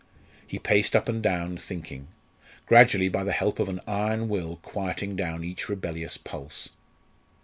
He paced up and down, thinking; gradually, by the help of an iron will quieting down each rebellious pulse.